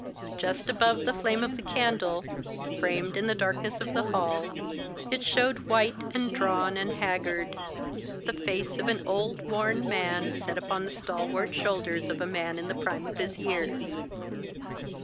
Just above the flame of the candle, framed in the darkness of the hall, it showed white and drawn and haggard the face of an old worn man set upon the stalwart shoulders of a man in the prime of his years.